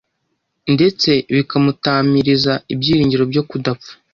ndetse bikamutamiriza ibyiringiro byo kudapfa